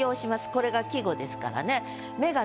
これが季語ですからね。